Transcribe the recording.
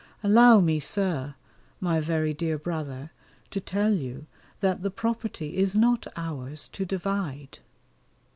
Allow me Sir, my very dear brother, to tell you that the property is not ours to divide.